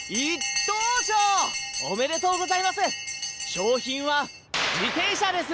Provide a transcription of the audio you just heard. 商品は自転車です！